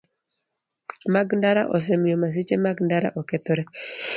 Mag ndara osemiyo masiche mag ndara okedore.